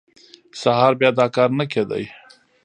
سهار بیا دا کار نه کېده.